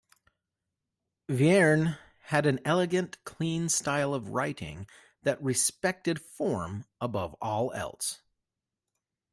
Vierne had an elegant, clean style of writing that respected form above all else.